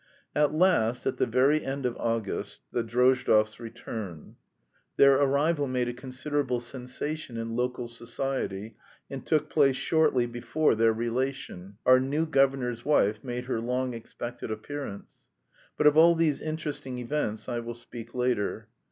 At last at the very end of August the Drozdovs returned. Their arrival made a considerable sensation in local society, and took place shortly before their relation, our new governor's wife, made her long expected appearance. But of all these interesting events I will speak later.